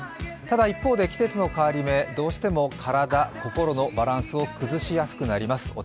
ただ一方で季節の変わり目、どうしても体、心のバランスを崩しやすくなります。